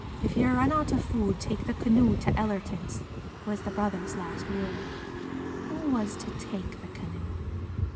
"If you run out of food take the canoe to Ellerton's," was the brother's last word. Who was to take the canoe?